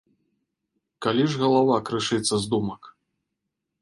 Калі ж галава крышыцца з думак.